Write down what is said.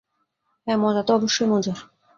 হ্যাঁ মজা তো অবশ্যই মজার?